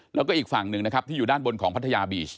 แล้วก็อีกฝั่งหนึ่งนะครับที่อยู่ด้านบนของพัทยาบีช